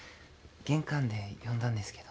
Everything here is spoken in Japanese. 玄関で呼んだんですけど。